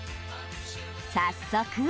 早速